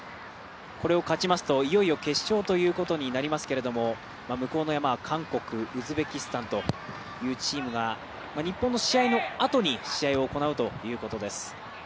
これを勝ちますと、いよいよ決勝ということになりますけど向こうの山は韓国、ウズベキスタンというチームが日本の試合のあとに試合を行うということです。